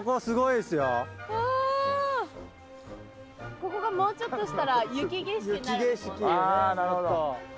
ここがもうちょっとしたら雪景色になるんだもんね。